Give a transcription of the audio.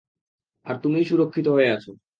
আর তুমিই সুরক্ষিত হয়ে আছো।